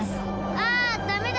あダメだ！